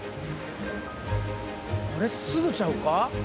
あれすずちゃうか？